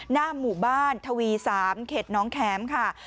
หน้าหมู่บ้านทวี๓เขตน้องแข็มค่ะ